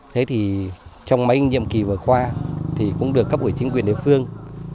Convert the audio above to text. thế thì trong mấy nhiệm kỳ vừa qua thì cũng được cấp ủy chính quyền địa phương